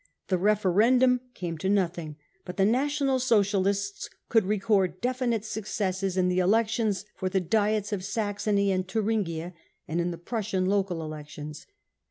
The referendum came to nothing, but the National Socialists could record definite successes in the n elections for the Diets of Saxony and Thuringia and in the ^* Prussia# local elections.